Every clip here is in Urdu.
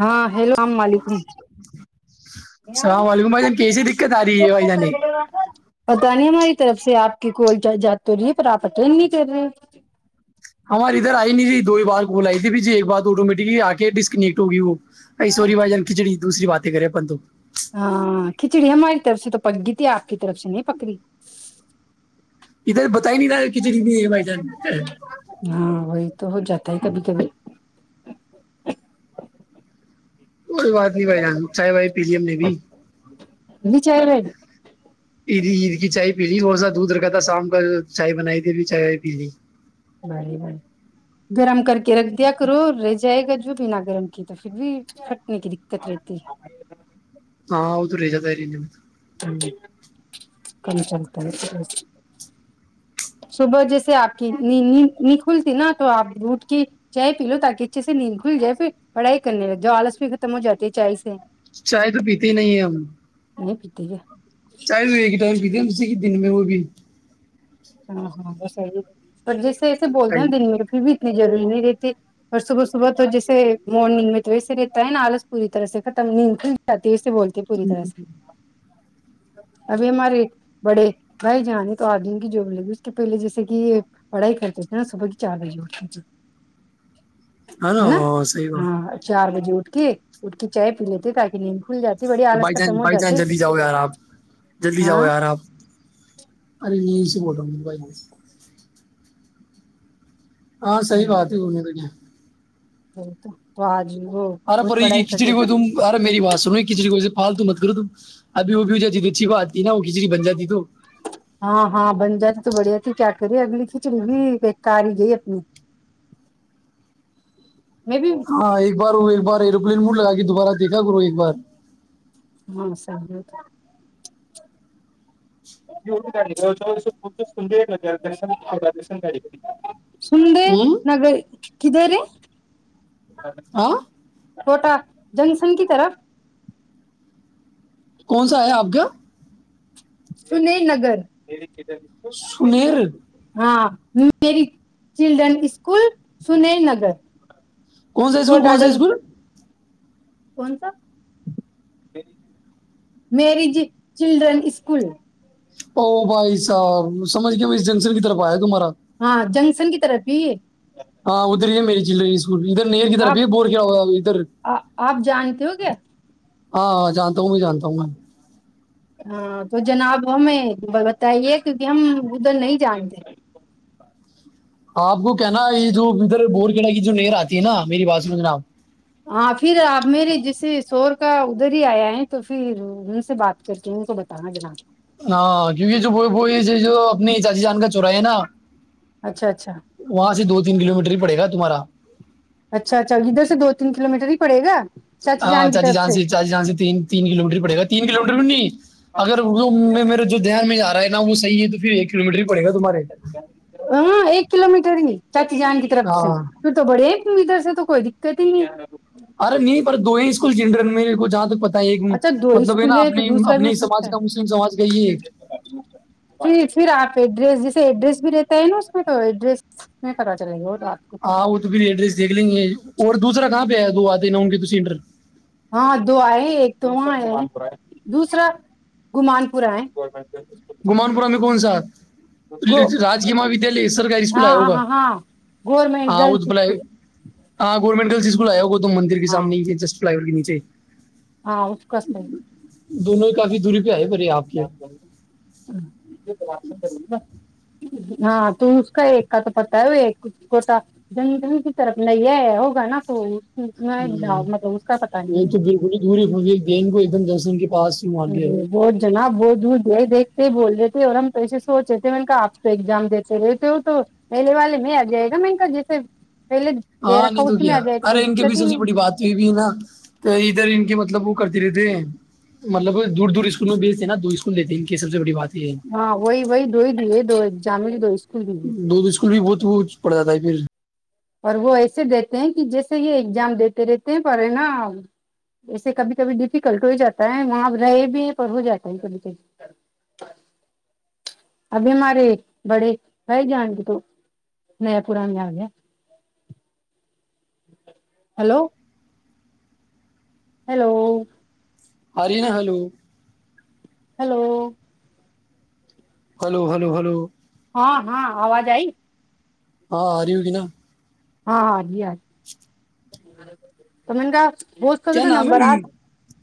ہاں ہیلو الام ملیکم السلام علیکم بھائی جان کیسی دقت آ رہی ہے بھائی جان یہ؟ پت نہیں ہماری طرف سے آپ کی کوال جات تو رہی ہے پر آپ اٹینڈ نہیں کر رہے ہماری ادھر آئی نہیں تھی دو ہی بار کول آئی تھی جی ایک بار آٹومیٹکلی آ کے ڈسکنیکٹ ہوگی وہ سوری بائی اچھا جان کھچڑی دوسری بات کرے پن تو ہاں کھچڑی ہماری طرف سے تو پک گی تھی آپ کی طرف سے نہیں پکڑی ادھر بتا ہی نہیں رہا ہے کہ بھی مدان کب بھی کوئی بات نہیں بھائی ران چاہے بھائی پیلیم نے بھی چاہ رہن عید عید کی چائے پی لی تھوڑا سا دودھ رکھا تھا شام کا چائے بنائی تھی بھی چائے پی لی بڑی بڑ گرم کر کے رکھ دیا کرو رہ جائے گا جو بھی نہ گرم کی تو پھر بھی پھٹنے کی دقت رہتی ہاں وہ تو ری جاتا رہیںے جی کم چلتا ہے صبح جیسے آپ کی ند نیند نیند کھلتی نا تو آپ اٹ کے چائے پی لو تاکہ اچھے سے نیند کھل جائے پھر پڑھائی کرنے لگ جائے آلس بھی ختم ہو جاتی ہے چائے سے چائے تو پیتے ہی نہیں ہے ہم ا ٹھیک ہے چاہ ہو یہ گٹ وگم ہی دن میں وہ بھی ہاں ہاں بسی پر جس ایسے بول ہے ہیں دنیر میں پھر بھی اتنی ضوری نہیں رہتی اور صبح صبح تو جیسے مارنگ میں تو ویسے رہتا ہے نا آلس پوری طرح سے ختم نیند کھل جاتا دیر سے بولتے ہیں پوری طرح سے ابھی ہمارے بڑے بھائی جان تو آگ جو لگی اس کے پہلے جیسے کہ پڑھائی خرچ ہوتی ہے نا صبح کی چار بجے اٹتی ت ہ نو سی بات چار اٹھ کے اٹھ کے چائے پی لیتے تاکہ نیند کھل جاتی بڑی آلس بائی چانس ختم ہو بائی چانس جاتے جلدی جاؤ یار آپ جلدی جاؤ ہاں یار آپ ارے بول رہا ہوں مبائی میں ہاں صح بات ہے گھومے تو کیااں ب تو تو آج وہ ارے بہت پ یہ پڑھائی کرتے کھچڑی کو تم ارے میری بات سنو کچی کو ہال تو مت کرو تم ابھی وہ بھی ہو جاتی ت اچھی کو آتی ہے نا وہ کچی بن جاتی تو ہاں ہاں بن جاتی تو بڑھیا تھی کیا کری اگلی کھچڑی بھی ایک کار ہی گئی اپنی میں بھی ہاں ایک بار ایک بار مڈ لگا کے دوبارہ دیکھا کرو ایک بار ہاں سہ گاڑ ج ج سند ل گ دن تھا دشن گا کر سند ہوں نگگر کد رے ہاں چھوٹا جنکشن کی طرف کون سا ہے آپ کا سنیل نگر سنییر ہاں میری چلڈرن اسکول سنیل نگر کون سا اسکول کوٹا کون سا اسکول جنکشن کون سا مریج چلڈرن اسکول او بھائی صاحب سمجھ گ میں اس جنکشن کی طرف آیا تھا ہاں ج ن کی طرفی ہاں ادھر ہی ہے میری چلو ادھر نہیں کدھر آپ ب بور کیا ہوا ادھر آپ جانتے ہو کیا ہاںاں جانتا ہوں بھی جانتا ہوں میں ہاں تو جناب ہمیں بتائیے کیونکہ ہم ادھر نہیں جانتے آپ کو کہنا یہ جو ادھر بور کلا کی جو لر آتی ہے نا میری باتس میں جناب ہاں پھر آپ میرے جیسے شور کا ادھر ہی آیا ہے تو پھر ان سے بات کر کے ان کو بتانا جناب ہاں کیونکہ جو ب بئی جو اپنی چاچی جان کا چورا ہے نا اچھا اچھا وہاں سے دو تین کلو میٹر ہی پڑے گا تمہارا اچھا اچھا ادھر سے دو تین کلو میٹر ہی پڑے گا ہاں چاچی جان سے چاچی جان سے تین کلو میٹر پڑے گا تین کلو میٹر بھی نہیں اگر وہ میرے جو دھیان میں رہا ا وہحی ہے تو پھر ایک کلو میٹر کو ہاں ایک کلو مٹر ہی چچی جان کی طرف سے ہاں کیوں تو بڑے ادھر سے تو کوئی دقت ہی نہیں ارے نہیں پر دوئ اس ج میرےاادک پک اچھا دو اسکول تو دوسرا بھی ہو سکتا سماج ہے کا مسلم سماج کا یہ پ پھر آپ ایڈریس ج ایڈریس بھی رہتا ہے نا اس میں تو ایڈریس میں پتتا چلے گا تو آپ کو ہاں وہ تو پھر ایڈریس دھ لیں گے اور دوسرا کہاں گئے دو آتے نہوں گے ت انڈر ہاں دو آئے ایک تو وہاں ہے دوسرا گمان پور آئے گمان پور میں کون س گو آح راکی مہا ودیالیہ سرکاری اسکول ہاں آئے ہاں ہوگا ہاں ہاں گورنمنٹ ہاں وہ گرلس تو بل اسکول ہاں گورنمنٹ جس کو ل آیا گ تو مندر کے ہاں سامنے ہی تھے جسٹ فائیور کنی چاہی ہاں اٹ کووس ہے دونوں ہی کافی دوری پہ آئے پرے آپ کے ہاں تو اس کا ایک کا تو پتا ہے وہ ایک کو جن جن کی طرف نہیں ہے ہوگا نا تو میں ہ مطلب اس کا پتا یہ نہیں ہے تو بالکل ہی دوری پ دین کو ایک دم جسنگ کے پاس ہی مار گیا ہے۔ ارے بہت جنا بہود ج دیکھتے بول رہتےے اور ہم ایسے سوچ رہے تھے میں آپ کو ایگزام دیتے رہتے ہو تو میلے والے میں آ جائے گا میں کا جیسے پہلے دے ہاں رکھا نہیں تو اس میں کیا آ جائے تو کوئی ارے ان کے دقت ہی بیچوں سے نہیں بڑی بات ہوئی بھی ہے نا تو ادھر ان کے مطلب وہ کرتے دھیر دھیرے مطلب دور دور اسکول میں بھیتے نا دو اسکول لیتے ہیں ان کی یہ سب سے بڑی بات یہ ہے ہاں وہی وہی دو ہی دی دو جام کی دو اسکول کی بھی جی اور وہ ایسے دیتے ہیں کہ جیسے یہ ایگزام دیتے رہتے ہیں پر ہے نا ایسے کبھی کبھی ڈیفیکلٹ ہو جاتا ہے وہاں رہے بھی ہیں پر ہو جاتا ہے ک ابھی ہمارے بڑے بھائی جان کے تو نیا پورہ میں آ گیا ہیلو ہیلو ہری نا hello hello hello hello hello ہاں ہاں آواز آئی ہاں ہاری ہوگی نا ہاں ہاں جی آ اچھا تو من کاا بت وقت کیا نام نمبر آ ہے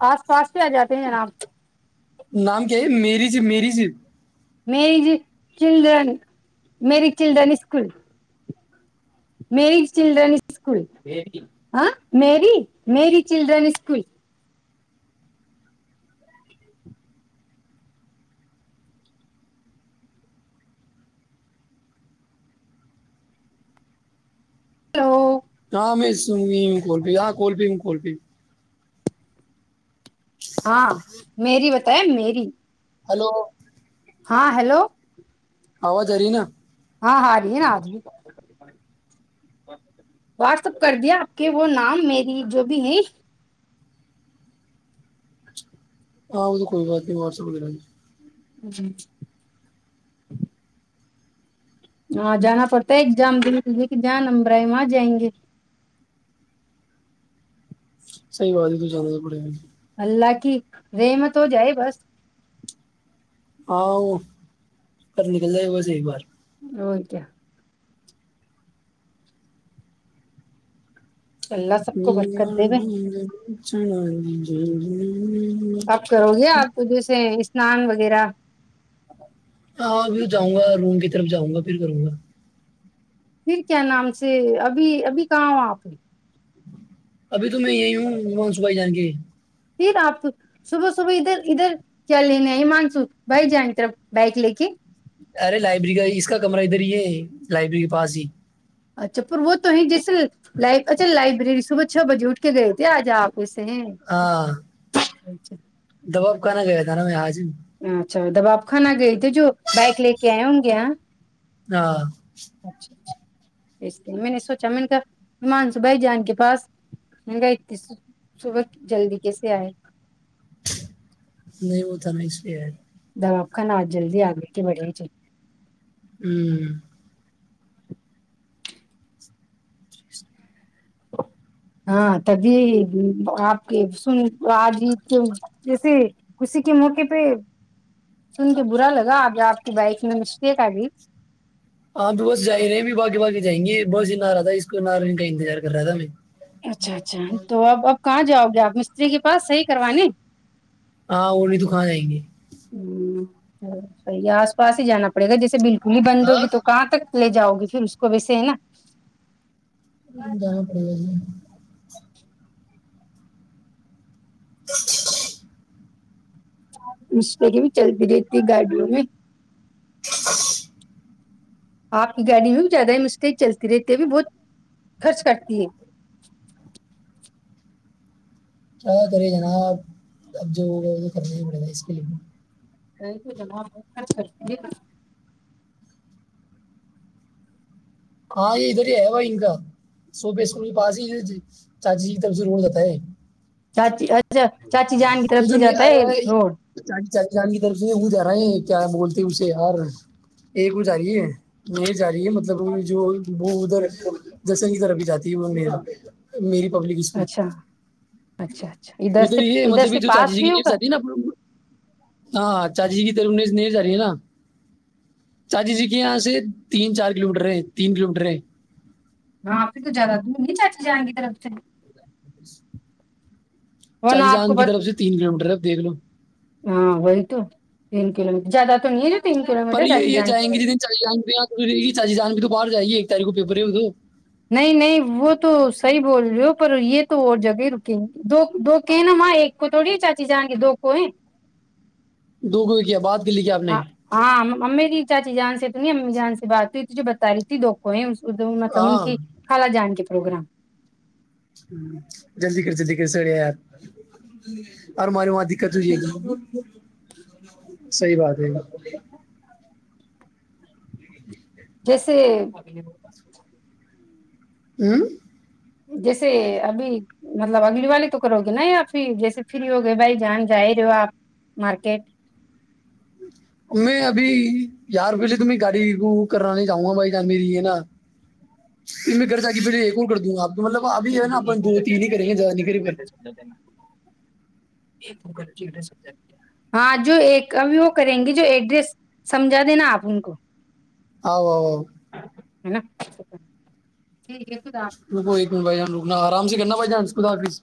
آس پاس ک آ جاتے ہیں جناب نام کیا ہے میری میری سے میری چلڈرن میری چلڈرن اسکول میری چلڈرن اسکول ہاں میری میری چلڈرن اسکول تو ہاں میں س کوول پ ہاں کوول پ ہ کوول پ ہاں میری بتائے میری ہلو ہاں ہیلو آواز رہ نا ہاں ہ رہی ہے آج واٹس اپ کر دیا آپ کے وہ نام میری جو بھی نہیں [unintelligible] ہاں وہ تو کوئی بات نہیں وسپ وال ل جی [unintelligible] ہاں جانا پڑتا ہے ایگزام د کے لے کے جاں نمبرائے وہاں جائیں گے صحی بات ہے تو جانا پڑے گا [unintelligible] اللہ کی رمت ہو جائے بس [unintelligible] ہاں گھر نکل ج ہے گا صی بار او کیاے [unintelligible] اللہ سب کو جی برکت دے گے چ [unintelligible] جی جی [unintelligible] کب کرو گے آپ جیسے اسنان وغیرہ [unintelligible] ہاں جاؤں گا روم کی طرف جاؤں گا پھر کروں گا پھر کیا نام سے ابھی ابھی کہاں ہو آپ نے ابھی تو میں یہی ہوں مانسو بھائی جان کے پھر آپ صبح صبح ادھر ادھر چل لینے مانسو بھائی جان طرف بائک لے کے [unintelligible] ارے لائبریری کا اس کا کمر ادھر ہی ہے لائبریری کے پاس ہی اچھا پر وہ تو ہے جیسے ل اچھا لائبریری صبح چھ بجے اٹھ کے گئے تھے آج آپ کویسے ہیں ہاں [unintelligible] اچھا [inaudible] دباب کہا گیا تھا نا میں آاج ہی [unintelligible] اچھا دب آپ کانا گئے تھے جو بائک لے کے آئے ہوں گے یہاں ہاں [unintelligible] بیچتے ہیں میں نے سوچا میں نے کہامان صوبھائی جان کے پاس منگ ا صبح جلدی کیسے آئے نہیں وہ تھا نہیں اس بھی ہے [unintelligible] دواب خانا آج جلدی آگے کی بڑے ہی چ [unintelligible] ہوں ہاں تبھی آپ کے سن آجید کے جیسے کسی کے موقعے پہ سن کے برا لگا اب آپ کی بائک میں مسٹیک آ گئی ہاں تو بس جا رہے ہیں بھی باگی باگی جائیں گے بس ہی نہارا تھا اس کو نارےنے کا انتظار کر رہا تھا ہم اچھا اچھا تو آب کہاں جاؤ گے آپ مستری کے پاس صحیح کروانے ہاں وہ نہیں تو کا جائیں گے ہوں صحیح آس پاس ہی جانا پڑےا جیسے بالکل پلی ہاں بندوگی تو کہاں تک لے جاؤ گی پھر اس کو ویسے ہے نا ہ جان پڑریے ہاں مشکری بھی چلتی رہتی ہے گاڑیوں میں ا آپ کی گاڑی میں بھی زیادہ مسٹیک چلتی رہتی ہے بھی بہت خرچ کرتی ہے کیا کرے ج نا اب جو ہو وہ کرنا ہی پڑے گا اس کے لیے بھی رہ تو گ بہت خرچ کر جی ہاں یہ ادھر ہی ہےا ان کا سوپ اسکول کے پاس ہی چاچیی کی طرف سے روڑ جا ہے چچی اچ اچھا چاچی جان کی طرف سے جاتا ہے روڈ چال جان کی طرف سے وہ جا رہا ہے کیا بولتے اسے یار ایک وہ جا رہی ہے ج رہی ہے مطلب جو وہ ادھر جسنگ کی طرف بھی جاتی ہے وہ م میری پبلک اسکول اچھا اچھا اچھا ادھر سے یہ مطلب سے جو چاچی پاس جی کی بھی ہوگا سد نا اپ ہاں چای جی کی ت جا رہی ہے نا چاچی جی کے یہاں سے تین چار کلو میٹر تین کلو میٹر ہے ہاں آپ سے تو زیادہ دور نہیں چاچی جائیں گی طرف سے ورنہ چای آپ جان کو کی پتا طرف سے تین کلو میٹر ہے دیکھ لو ہاں وہی تو تین کلو میٹر زیادہ تو نہیں رہ پر یہ جیں گی جتیں چی جاناں گی چای جان تو باہر جائیے تاریخ کو پیپر ہے وہ تو نہیں نہیں وہ تو صحیح بول رہے ہو پر یہ تو اور جگہ ہی رکیں گے دو دو کے ہیں نا ماں ایک کو تھوڑی چاچی جائیں گے دو کو ہے دوگو کیا بعات ہاں ہاں ممی ج چاچی جان سے تو نہیں امی جان سے بات ہوئی تھی جو بتا رہی تھی دکھو ہے اد مطلب ان ہاں کی خال جان کے پروگرام ہ جلدی کر جلدی کر سڑے آ آپ اورر ماریے وہاں دقت ہو ج گ صحی بات ہے جی جیس سے ہوں جیسے ابھی مطلب اگلی والی تو کرو گے نا یا پھر جیسے فری ہوگے بھائی جان ج ہی رہ ہو آپ مارکیٹ میں ابھی یار روپئے سے تو میں گاڑی بک کرانے چاہوں گا بھائی جان میری ہے نا پھر میں گھر سے آگے پہلے ایک اور کر دوں گا آپ تو مطلب ابھی ہے نا ایک اپن دو وقت تین ہی کریں گے زیادہ نہیں کریں پر بیٹ ہاں جو ایک اب وہ کریں گے جو ایڈریس سمجھا دینا آپ ان کو آو آ ہے نا ٹھیک ہے خدا حافظ. کو ب رکنا آرام سے کرنا بائی چانس آفس